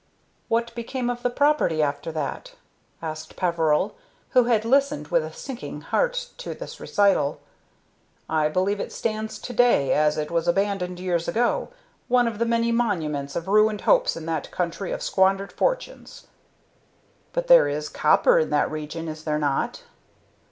"What became of the property after that?" asked Peveril, who had listened with a sinking heart to this recital. "I believe it stands to day, as it was abandoned years ago, one of the many monuments of ruined hopes in that country of squandered fortunes." "But there is copper in that region, is there not?"